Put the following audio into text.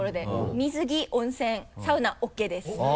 水着温泉サウナＯＫです。